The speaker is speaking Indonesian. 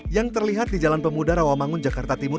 yang terlihat di jalan pemuda rawamangun jakarta timur